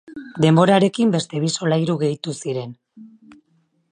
Denborarekin beste bi solairu gehitu ziren.